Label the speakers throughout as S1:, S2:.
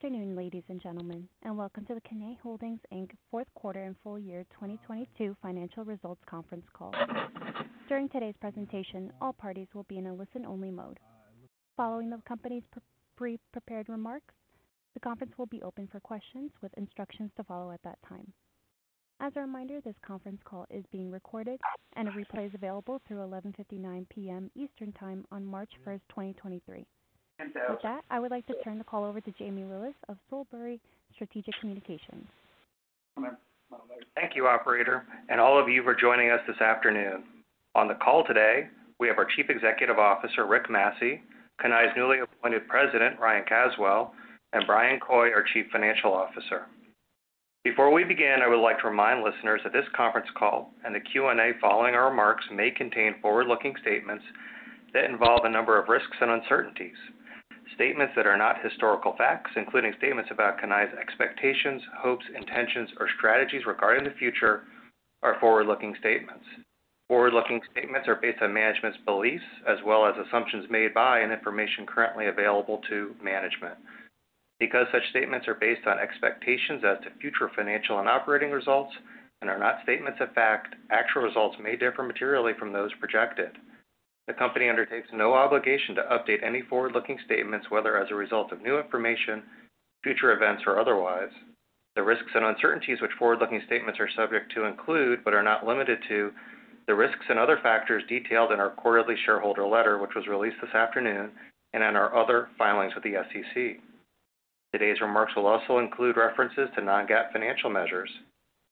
S1: Good afternoon, ladies and gentlemen, Welcome to the Cannae Holdings, Inc. fourth quarter and full year 2022 financial results conference call. During today's presentation, all parties will be in a listen-only mode. Following the company's pre-prepared remarks, the conference will be open for questions with instructions to follow at that time. As a reminder, this conference call is being recorded and a replay is available through 11:59 P.M. Eastern time on March first, 2023. With that, I would like to turn the call over to Jamie Lillis of Solebury Strategic Communications.
S2: Thank you, operator, and all of you for joining us this afternoon. On the call today, we have our Chief Executive Officer, Rick Massey, Cannae's newly appointed President, Ryan Caswell, and Bryan Coy, our Chief Financial Officer. Before we begin, I would like to remind listeners that this conference call and the Q&A following our remarks may contain forward-looking statements that involve a number of risks and uncertainties. Statements that are not historical facts, including statements about Cannae's expectations, hopes, intentions, or strategies regarding the future are forward-looking statements. Forward-looking statements are based on management's beliefs as well as assumptions made by and information currently available to management. Because such statements are based on expectations as to future financial and operating results and are not statements of fact, actual results may differ materially from those projected. The company undertakes no obligation to update any forward-looking statements, whether as a result of new information, future events, or otherwise. The risks and uncertainties which forward-looking statements are subject to include, but are not limited to, the risks and other factors detailed in our quarterly shareholder letter, which was released this afternoon, and in our other filings with the SEC. Today's remarks will also include references to non-GAAP financial measures.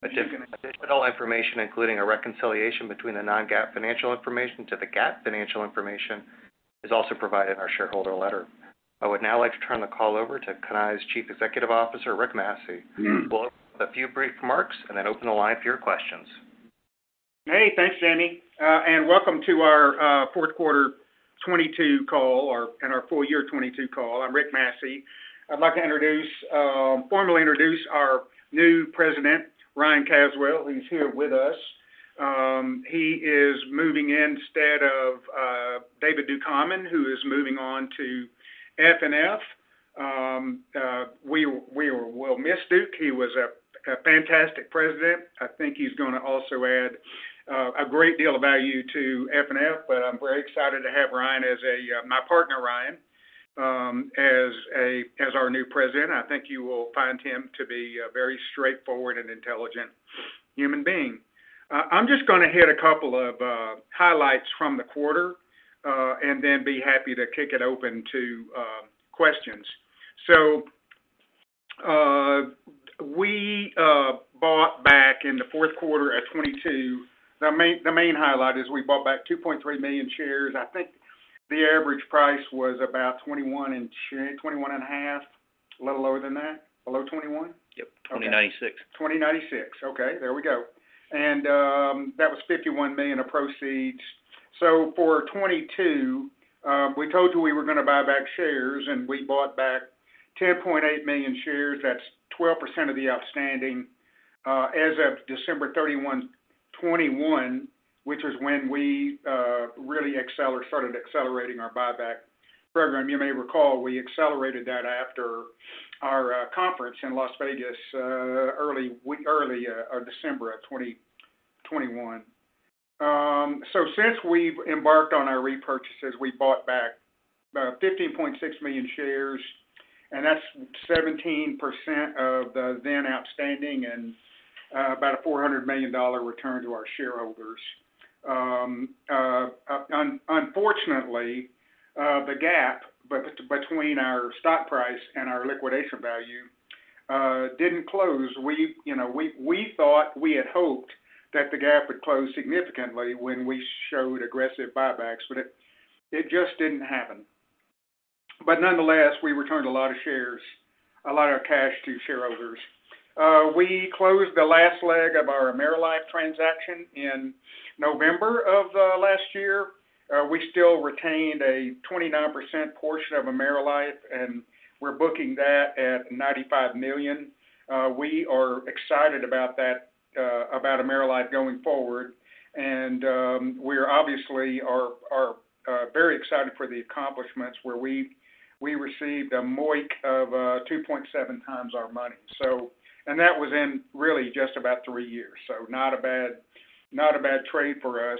S2: Additional information, including a reconciliation between the non-GAAP financial information to the GAAP financial information, is also provided in our shareholder letter. I would now like to turn the call over to Cannae's Chief Executive Officer, Rick Massey, who will open with a few brief remarks and then open the line for your questions.
S3: Hey, thanks, Jamie, welcome to our fourth quarter 2022 call and our full year 2022 call. I'm Rick Massey. I'd like to introduce, formally introduce our new President, Ryan Caswell. He's here with us. He is moving in instead of David Ducommun, who is moving on to FNF. We will miss Duke. He was a fantastic President. I think he's gonna also add a great deal of value to FNF, but I'm very excited to have Ryan as a my partner, Ryan, as our new President. I think you will find him to be a very straightforward and intelligent human being. I'm just gonna hit a couple of highlights from the quarter and then be happy to kick it open to questions. We bought back in the fourth quarter at $22. The main highlight is we bought back 2.3 million shares. I think the average price was about $21 and $21 and a half. A little lower than that? Below $21?
S4: Yep. 2096.
S3: 2096. Okay, there we go. That was $51 million of proceeds. For 2022, we told you we were gonna buy back shares, and we bought back 10.8 million shares. That's 12% of the outstanding as of December 31, 2021, which is when we really started accelerating our buyback program. You may recall we accelerated that after our conference in Las Vegas early December of 2021. Since we've embarked on our repurchases, we bought back 15.6 million shares, and that's 17% of the then outstanding and about a $400 million return to our shareholders. Unfortunately, the gap between our stock price and our liquidation value didn't close. We, you know, we thought, we had hoped that the gap would close significantly when we showed aggressive buybacks, but it just didn't happen. Nonetheless, we returned a lot of shares, a lot of cash to shareholders. We closed the last leg of our AmeriLife transaction in November of last year. We still retained a 29% portion of AmeriLife, and we're booking that at $95 million. We are excited about that, about AmeriLife going forward. We obviously are very excited for the accomplishments where we received a MOIC of 2.7 times our money. That was in really just about three years. Not a bad trade for us.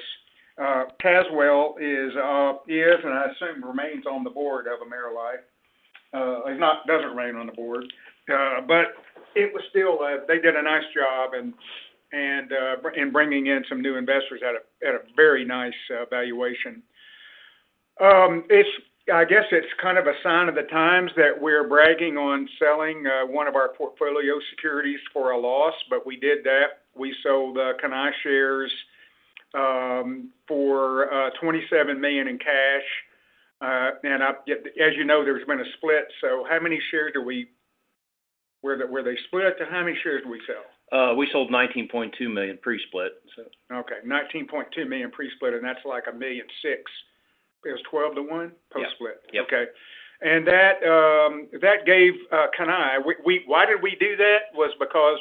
S3: Caswell is, and I assume remains on the board of AmeriLife. doesn't remain on the board. It was still, they did a nice job in, and in bringing in some new investors at a very nice valuation. I guess it's kind of a sign of the times that we're bragging on selling one of our portfolio securities for a loss, we did that. We sold Cannae shares for $27 million in cash. Up, yeah, as you know, there's been a split. Where they split, how many shares do we sell?
S4: we sold $19.2 million pre-split.
S3: Okay. $19.2 million pre-split, That's like $1.6 million. It was 12 to 1 post-split?
S4: Yep.
S3: Okay. That, that gave Cannae. Why did we do that was because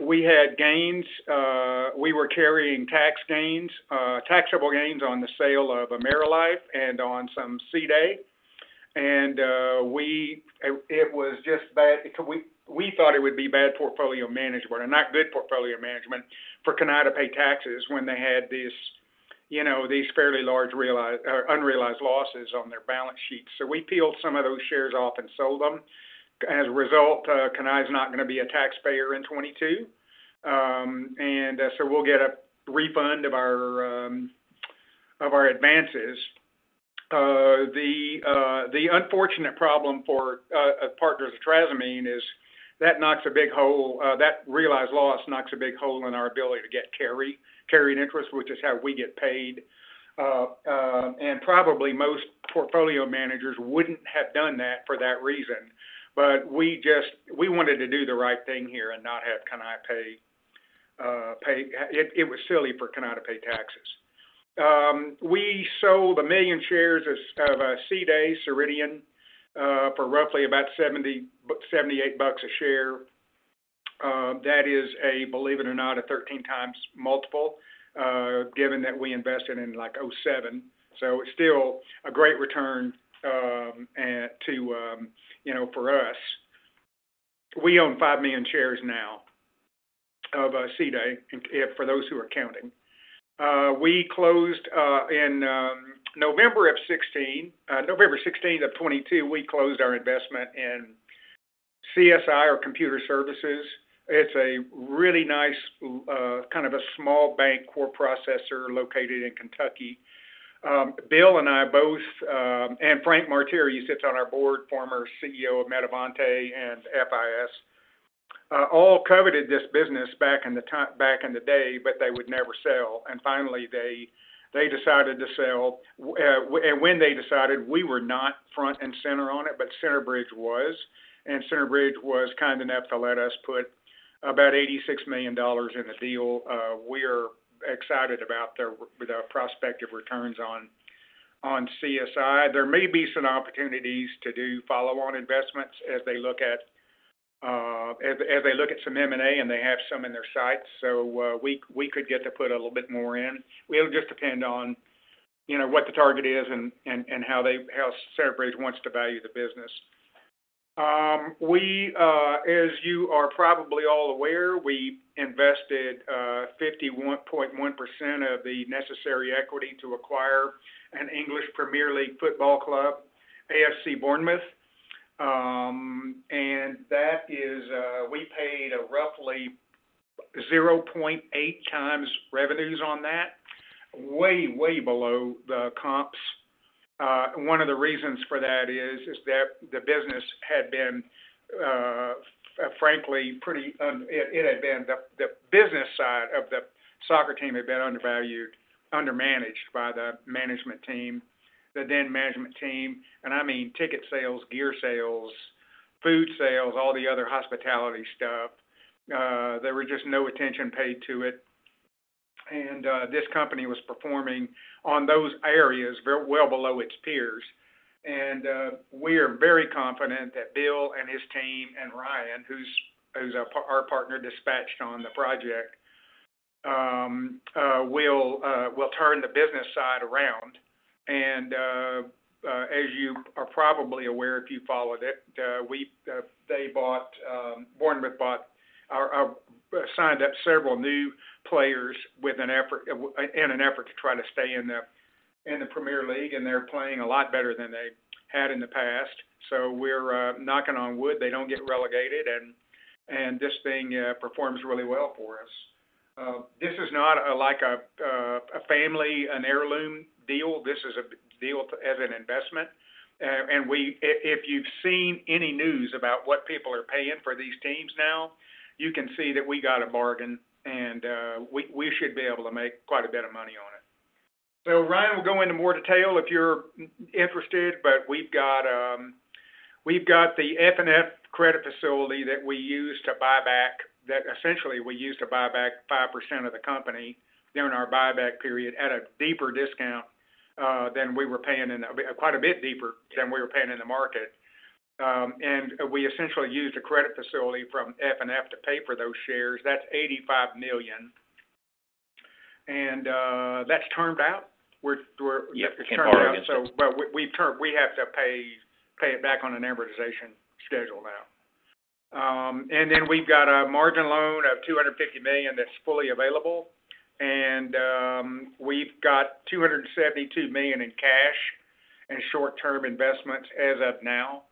S3: We had gains, we were carrying tax gains, taxable gains on the sale of AmeriLife and on some CDAY. It was just bad We thought it would be bad portfolio management or not good portfolio management for Cannae to pay taxes when they had these, you know, these fairly large unrealized losses on their balance sheet. We peeled some of those shares off and sold them. As a result, Cannae is not gonna be a taxpayer in 2022. We'll get a refund of our advances. the unfortunate he problem for, as partners with Trasimene is that knocks a big hole, that realized loss knocks a big hole in our ability to get carried interest, which is how we get paid. And probably most portfolio managers wouldn't have done that for that reason. But we just, we wanted to do the right thing here and not have Cannae pay. It was silly for Cannae to pay taxes. We sold 1 million shares of CDAY Ceridian for roughly about $70-$78 a share. That is a, believe it or not, a 13x multiple, given that we invested in like 2007. So it's still a great return to, you know, for us. We own 5 million shares now of CDAY, if. for those who are counting. We closed in November of 16, November 16th of 2022, we closed our investment in CSI or Computer Services. It's a really nice kind of a small bank core processor located in Kentucky. Bill and I both, and Frank Martire, who sits on our board, former CEO of Metavante and FIS, all coveted this business back in the day, but they would never sell. Finally, they decided to sell. When they decided, we were not front and center on it, but Centerbridge was. Centerbridge was kind enough to let us put about $86 million in the deal. We're excited about the prospective returns on CSI. There may be some opportunities to do follow-on investments as they look at, as they look at some M&A, and they have some in their sights. We could get to put a little bit more in. It'll just depend on, you know, what the target is and how Centerbridge wants to value the business. We, as you are probably all aware, we invested 51.1% of the necessary equity to acquire an English Premier League football club, AFC Bournemouth. And that is, we paid roughly 0.8x revenues on that, way below the comps. One of the reasons for that is that the business had been, frankly pretty. It had been. The business side of the soccer team had been undervalued, undermanaged by the management team, the then management team. I mean, ticket sales, gear sales, food sales, all the other hospitality stuff, there was just no attention paid to it. This company was performing on those areas well below its peers. We are very confident that Bill and his team and Ryan, who's our partner dispatched on the project, will turn the business side around. As you are probably aware, if you followed it, we've they bought Bournemouth or signed up several new players in an effort to try to stay in the Premier League, and they're playing a lot better than they had in the past. We're knocking on wood they don't get relegated, and this thing performs really well for us. This is not like a family, an heirloom deal. This is a deal to as an investment. We, if you've seen any news about what people are paying for these teams now, you can see that we got a bargain and we should be able to make quite a bit of money on it. Ryan will go into more detail if you're interested, but we've got the FNF credit facility that we used to buy back, that essentially we used to buy back 5% of the company during our buyback period at a deeper discount than we were paying in the quite a bit deeper than we were paying in the market. we essentially used a credit facility from FNF to pay for those shares. That's $85 million. that's termed out. We're.
S4: Yes, in borrowing instance.
S3: It's termed out. We have to pay it back on an amortization schedule now. We've got a margin loan of $250 million that's fully available. We've got $272 million in cash and short-term investments as of now.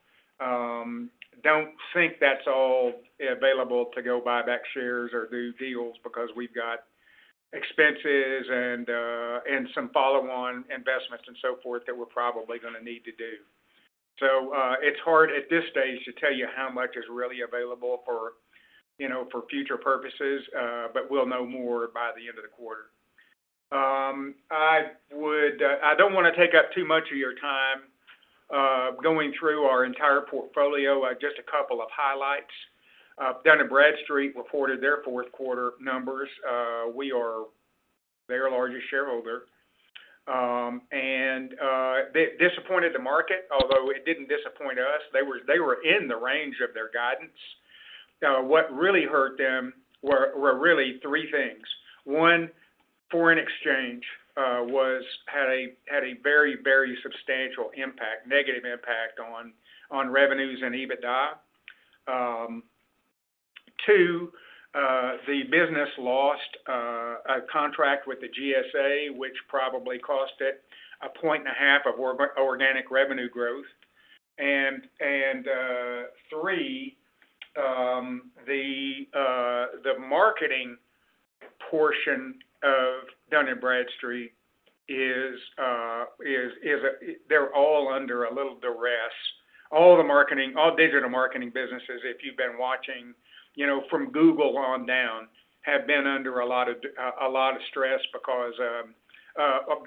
S3: Don't think that's all available to go buy back shares or do deals because we've got expenses and some follow-on investments and so forth that we're probably going to need to do. It's hard at this stage to tell you how much is really available for, you know, for future purposes, but we'll know more by the end of the quarter. I don't want to take up too much of your time going through our entire portfolio. Just a couple of highlights. Dun & Bradstreet reported their fourth quarter numbers. We are their largest shareholder. They disappointed the market, although it didn't disappoint us. They were in the range of their guidance. What really hurt them were really three things. One, foreign exchange had a very substantial impact, negative impact on revenues and EBITDA. Two, the business lost a contract with the GSA, which probably cost it a point and a half of organic revenue growth. Three, the marketing portion of Dun & Bradstreet is they're all under a little duress. All digital marketing businesses, if you've been watching, you know, from Google on down, have been under a lot of stress because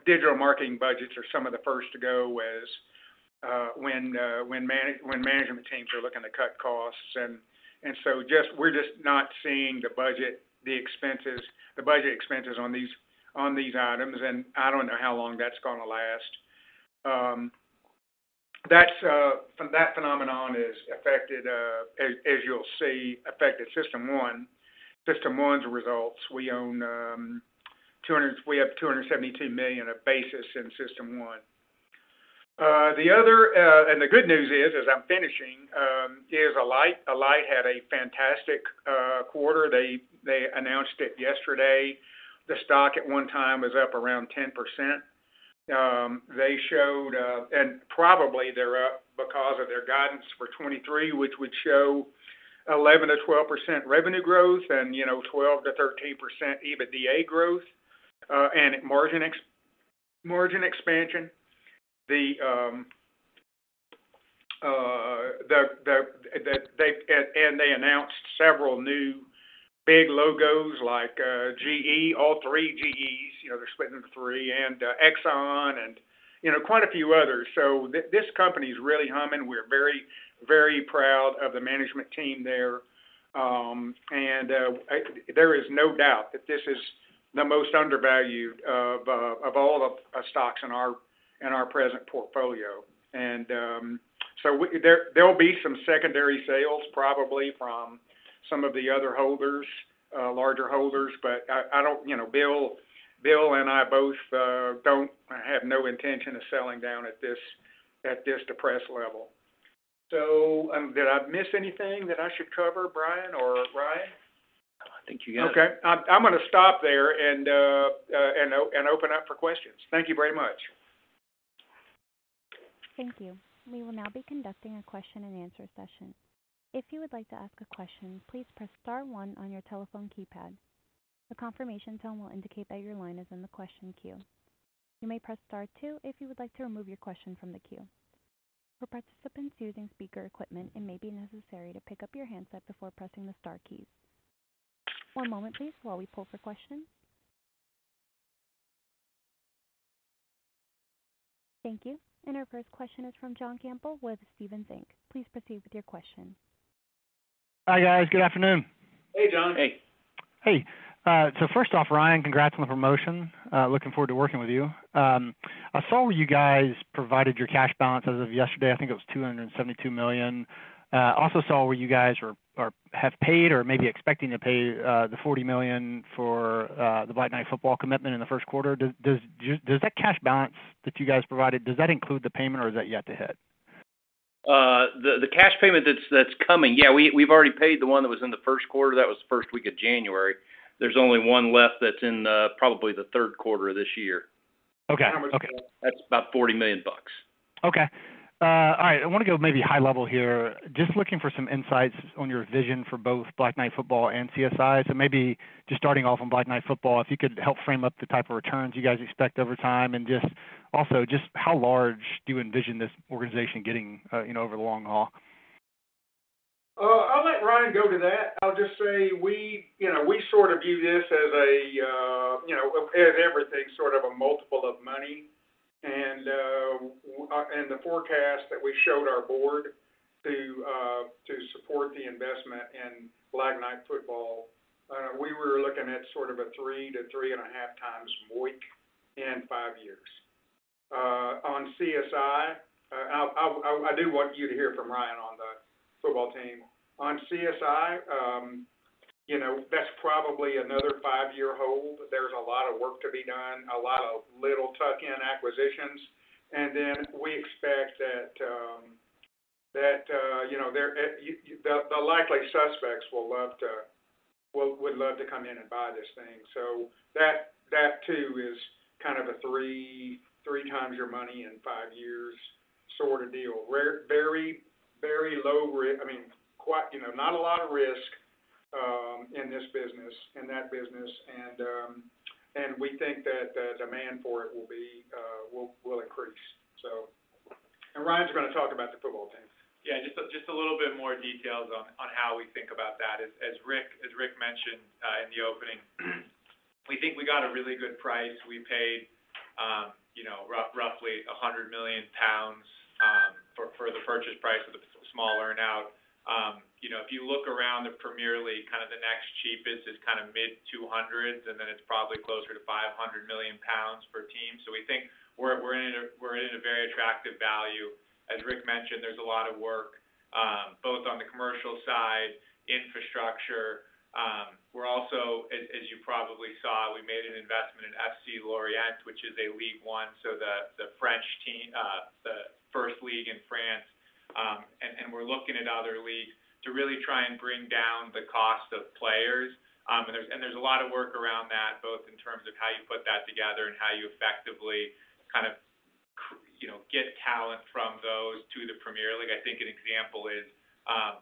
S3: digital marketing budgets are some of the first to go as when management teams are looking to cut costs. Just... we're just not seeing the budget, the expenses, the budget expenses on these, on these items, and I don't know how long that's gonna last. That's that phenomenon has affected, as you'll see, affected System1's results. We own... We have $272 million of basis in System1. The other, the good news is, as I'm finishing, is Alight. Alight had a fantastic quarter. They announced it yesterday. The stock at one time was up around 10%. They showed, and probably they're up because of their guidance for 2023, which would show 11%-12% revenue growth and, you know, 12%-13% EBITDA growth, and margin expansion. They announced several new big logos like GE, all three GEs, you know, they're split into three, and Exxon and, you know, quite a few others. This company is really humming. We're very, very proud of the management team there. There is no doubt that this is the most undervalued of all the stocks in our present portfolio. There'll be some secondary sales probably from some of the other holders, larger holders, but I don't... You know, Bill and I both have no intention of selling down at this depressed level. Did I miss anything that I should cover, Bryan or Ryan?
S5: I think you got it.
S3: Okay. I'm gonna stop there and open up for questions. Thank you very much.
S1: Thank you. We will now be conducting a question and answer session. If you would like to ask a question, please press star one on your telephone keypad. The confirmation tone will indicate that your line is in the question queue. You may press star two if you would like to remove your question from the queue. For participants using speaker equipment, it may be necessary to pick up your handset before pressing the star keys. One moment, please, while we pull for questions. Thank you. Our first question is from John Campbell with Stephens Inc. Please proceed with your question.
S6: Hi, guys. Good afternoon.
S3: Hey, John.
S5: Hey.
S6: Hey. First off, Ryan, congrats on the promotion. Looking forward to working with you. I saw where you guys provided your cash balance as of yesterday, I think it was $272 million. Also saw where you guys have paid or may be expecting to pay the $40 million for the Black Knight Football commitment in the first quarter. Does that cash balance that you guys provided, does that include the payment or is that yet to hit?
S3: The cash payment that's coming. We've already paid the one that was in the first quarter. That was the first week of January. There's only one left that's in, probably the third quarter of this year.
S6: Okay. Okay.
S3: That's about $40 million.
S6: Okay. All right. I wanna go maybe high level here. Just looking for some insights on your vision for both Black Knight Football and CSI. Maybe just starting off on Black Knight Football, if you could help frame up the type of returns you guys expect over time, and just also just how large do you envision this organization getting, you know, over the long haul?
S3: I'll let Ryan go to that. I'll just say we, you know, we sort of view this as a, you know, as everything, sort of a multiple of money. The forecast that we showed our board to support the investment in Black Knight Football, we were looking at sort of a 3 to 3.5x MOIC in 5 years. On CSI, I do want you to hear from Ryan on the football team. On CSI, you know, that's probably another five-year hold. There's a lot of work to be done, a lot of little tuck-in acquisitions. We expect that, you know, there, the likely suspects would love to come in and buy this thing. That too is kind of a three times your money in five years sorta deal. Rare, very low risk, I mean, you know, not a lot of risk in this business, in that business. We think that the demand for it will increase. Ryan's gonna talk about the football team.
S5: Yeah, just a little bit more details on how we think about that. As Rick mentioned, in the opening, we think we got a really good price. We paid, you know, roughly 100 million pounds for the purchase price of the smaller. If you look around the Premier League, the next cheapest is mid 200s, and then it's probably closer to 500 million pounds per team. We think we're in a very attractive value. As Rick mentioned, there's a lot of work, both on the commercial side, infrastructure. We're also as you probably saw, we made an investment in FC Lorient, which is a Ligue 1, so the French team, the first league in France. We're looking at other leagues to really try and bring down the cost of players. There's a lot of work around that, both in terms of how you put that together and how you effectively kind of, you know, get talent from those to the Premier League. I think an example is,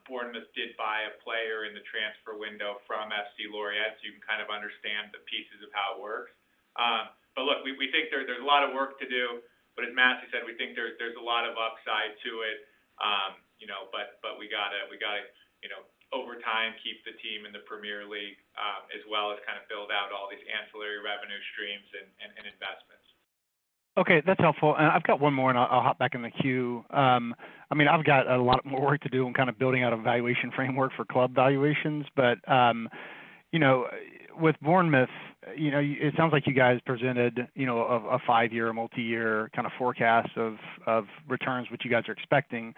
S5: Bournemouth did buy a player in the transfer window from FC Lorient, so you can kind of understand the pieces of how it works. Look, we think there's a lot of work to do, but as Matt said, we think there's a lot of upside to it. You know, but we gotta, we gotta, you know, over time, keep the team in the Premier League, as well as kind of build out all these ancillary revenue streams and investments.
S6: Okay, that's helpful. I've got one more, and I'll hop back in the queue. I mean, I've got a lot more work to do in kind of building out a valuation framework for club valuations. You know, with Bournemouth, you know, it sounds like you guys presented, you know, a five-year, multiyear kinda forecast of returns, which you guys are expecting.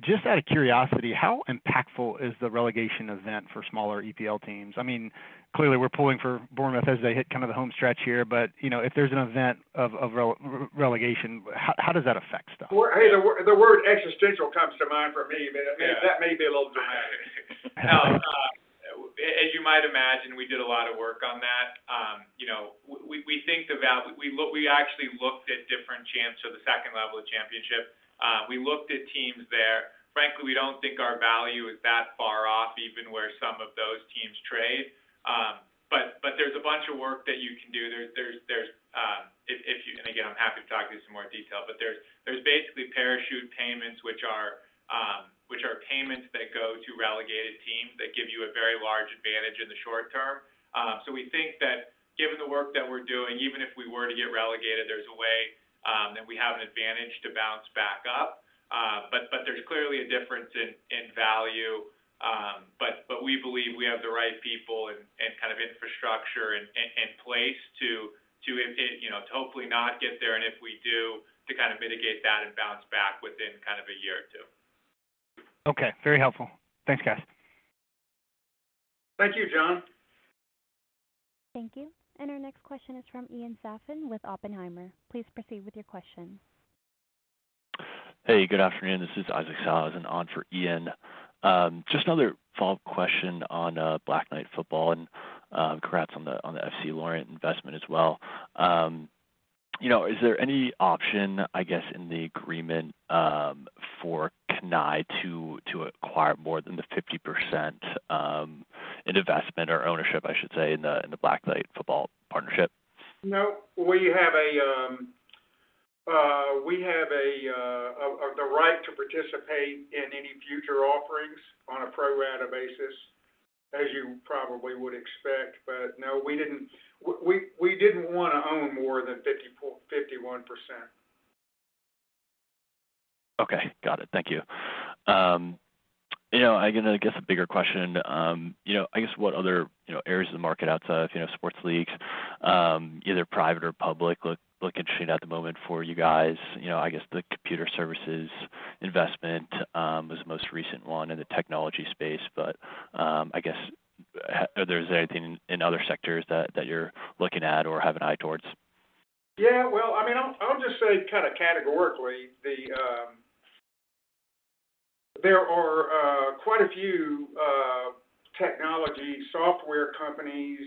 S6: Just out of curiosity, how impactful is the relegation event for smaller EPL teams? I mean, clearly we're pulling for Bournemouth as they hit kind of the home stretch here. You know, if there's an event of relegation, how does that affect stuff?
S3: Well, hey, the word, the word existential comes to mind for me, but, I mean, that may be a little dramatic.
S5: Yeah.
S3: No, as you might imagine, we did a lot of work on that. you know, we think we actually looked at different champs, so the second level of championship. We looked at teams there. Frankly, we don't think our value is that far off, even where some of those teams trade. There's a bunch of work that you can do. There's, if you... Again, I'm happy to talk to you some more detail. There's basically parachute payments, which are payments that go to relegated teams that give you a very large advantage in the short term. We think that given the work that we're doing, even if we were to get relegated, there's a way that we have an advantage to bounce back up. There's clearly a difference in value. We believe we have the right people and kind of infrastructure in place to, you know, to hopefully not get there. If we do, to kind of mitigate that and bounce back within kind of a year or two.
S6: Okay, very helpful. Thanks, guys.
S3: Thank you, John.
S1: Thank you. Our next question is from Ian Zaffino with Oppenheimer. Please proceed with your question.
S7: Hey, good afternoon. This is Isaac Sellhausen on for Ian. Just another follow-up question on Black Knight Football and congrats on the, on the FC Lorient investment as well. You know, is there any option, I guess, in the agreement, for Cannae to acquire more than the 50% in investment or ownership, I should say, in the, in the Black Knight Football partnership?
S3: No. We have a, we have a, the right to participate in any future offerings on a pro rata basis, as you probably would expect. No, We didn't wanna own more than 54%, 51%.
S7: Okay. Got it. Thank you. you know, again, I guess, a bigger question, you know, I guess what other, you know, areas of the market outside of, you know, sports leagues, either private or public look interesting at the moment for you guys? You know, I guess the Computer Services investment, was the most recent one in the technology space, but, I guess, are there anything in other sectors that you're looking at or have an eye towards?
S3: Yeah. Well, I mean, I'll just say kinda categorically. There are quite a few technology software companies.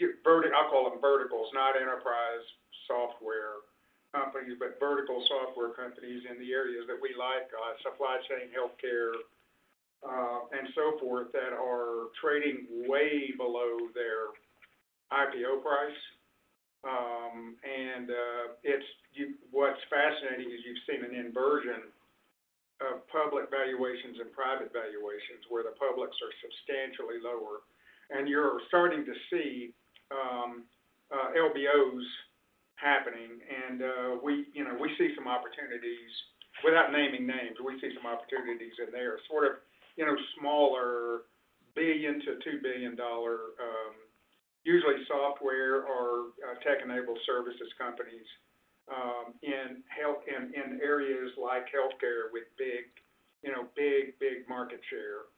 S3: I call them verticals, not enterprise software companies, but vertical software companies in the areas that we like, supply chain, healthcare, and so forth, that are trading way below their IPO price. It's what's fascinating is you've seen an inversion of public valuations and private valuations where the publics are substantially lower, and you're starting to see LBOs happening. We, you know, we see some opportunities. Without naming names, we see some opportunities in there. Sort of, you know, smaller $1 billion-$2 billion, usually software or tech-enabled services companies, in areas like healthcare with big, you know, big, big market share.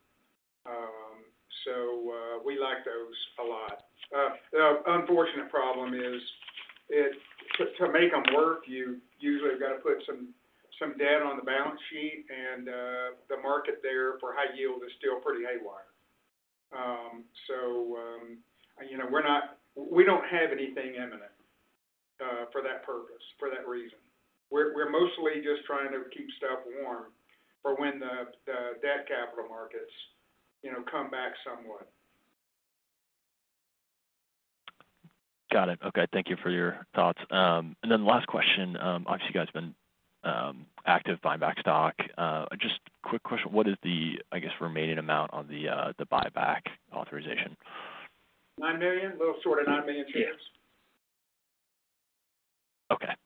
S3: We like those a lot. The unfortunate problem is to make them work, you usually have got to put some debt on the balance sheet, the market there for high yield is still pretty haywire. you know, we don't have anything imminent for that purpose, for that reason. We're mostly just trying to keep stuff warm for when the debt capital markets, you know, come back somewhat.
S7: Got it. Okay, thank you for your thoughts. Last question. Obviously you guys been active buying back stock. Just quick question, what is the, I guess, remaining amount on the buyback authorization?
S3: 9 million. Little short of 9 million shares.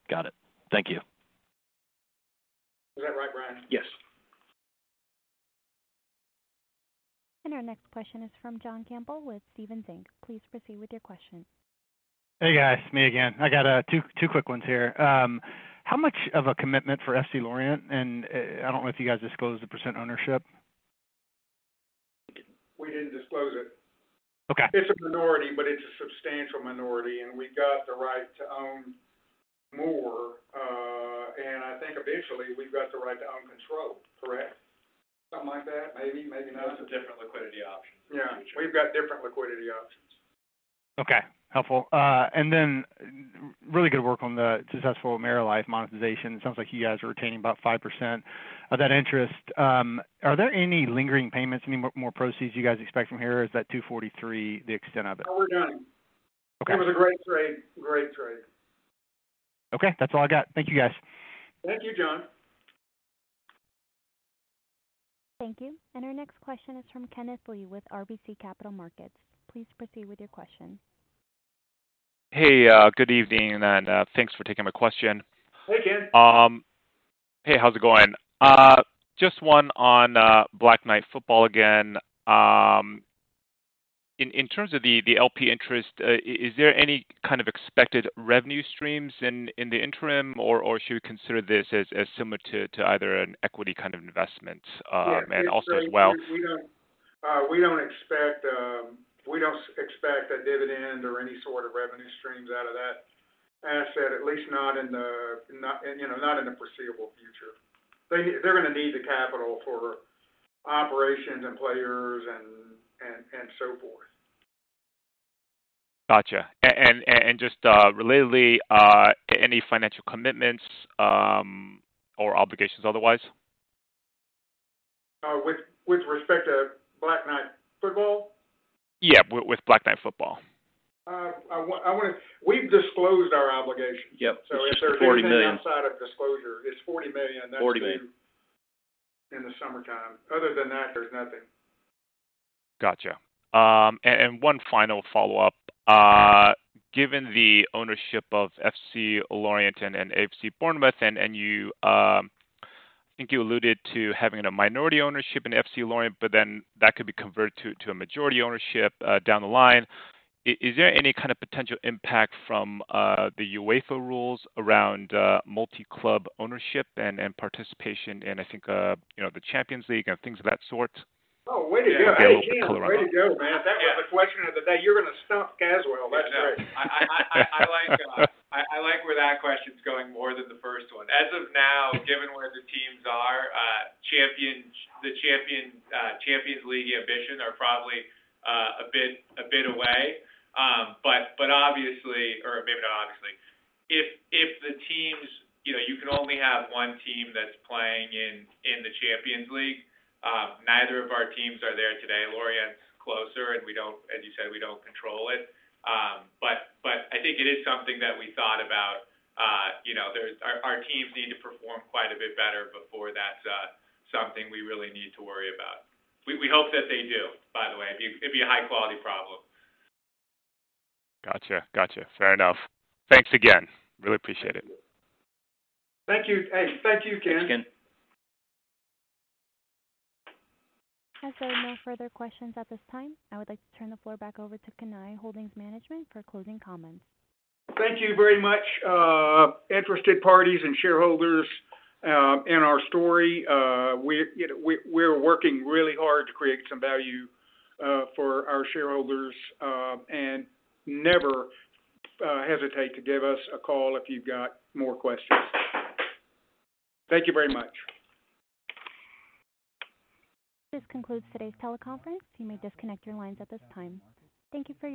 S7: Got it. Thank you.
S3: Is that right, Ryan?
S5: Yes.
S1: Our next question is from John Campbell with Stephens Inc.. Please proceed with your question.
S6: Hey, guys. Me again. I got two quick ones here. How much of a commitment for FC Lorient and I don't know if you guys disclosed the % ownership.
S3: We didn't disclose it.
S6: Okay.
S3: It's a minority, but it's a substantial minority, and we got the right to own more. I think eventually we've got the right to own control. Correct?
S5: Something like that. Maybe, maybe not. There's a different liquidity option for the future.
S3: Yeah, we've got different liquidity options.
S6: Okay. Helpful. Really good work on the successful AmeriLife monetization. It sounds like you guys are retaining about 5% of that interest. Are there any lingering payments, I mean, more proceeds you guys expect from here? Is that $243 the extent of it?
S3: No, we're done.
S6: Okay.
S3: It was a great trade. Great trade.
S6: Okay. That's all I got. Thank you, guys.
S3: Thank you, John.
S1: Thank you. Our next question is from Kenneth Lee with RBC Capital Markets. Please proceed with your question.
S8: Hey, good evening, and thanks for taking my question.
S3: Hey, Ken.
S8: Hey, how's it going? Just one on Black Knight Football again. In terms of the LP interest, is there any kind of expected revenue streams in the interim or should we consider this as similar to either an equity kind of investment, and also as well?
S3: We don't expect a dividend or any sort of revenue streams out of that asset, at least not in the foreseeable future. They're gonna need the capital for operations and players and so forth.
S8: Gotcha. Just, relatedly, any financial commitments, or obligations otherwise?
S3: With respect to Black Knight Football?
S8: Yeah, with Black Knight Football.
S3: We've disclosed our obligations.
S8: Yep. It's just the $40 million.
S3: If there's anything outside of disclosure, it's $40 million-
S8: $40 million.
S3: That's due in the summertime. Other than that, there's nothing.
S8: Gotcha. One final follow-up. Given the ownership of FC Lorient and AFC Bournemouth and you, I think you alluded to having a minority ownership in FC Lorient, but then that could be converted to a majority ownership down the line. Is there any kind of potential impact from the UEFA rules around multi-club ownership and participation in, I think, you know, the Champions League and things of that sort?
S3: Oh, way to go, Eugene.
S5: Yeah.
S3: Way to go, man. That was the question of the day. You're gonna stuff Caswell. That's great.
S5: I like where that question's going more than the first one. As of now, given where the teams are, champions, the champion, Champions League ambition are probably a bit away. Obviously, or maybe not obviously. You know, you can only have one team that's playing in the Champions League. Neither of our teams are there today. Lorient's closer, and we don't, as you said, we don't control it. I think it is something that we thought about. Our teams need to perform quite a bit better before that's something we really need to worry about. We hope that they do, by the way. It'd be a high quality problem.
S8: Gotcha. Gotcha. Fair enough. Thanks again. Really appreciate it.
S3: Thank you. Hey, thank you, Ken.
S8: Thanks, Ken.
S1: As there are no further questions at this time, I would like to turn the floor back over to Cannae Holdings management for closing comments.
S3: Thank you very much, interested parties and shareholders, in our story. We're, you know, we're working really hard to create some value for our shareholders, never hesitate to give us a call if you've got more questions.
S5: Thank you very much.
S1: This concludes today's teleconference. You may disconnect your lines at this time. Thank you for your participation.